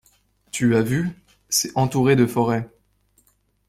Tu as vu? C'est entouré de forêts.